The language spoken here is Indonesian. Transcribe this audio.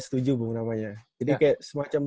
setuju bung namanya jadi kayak semacam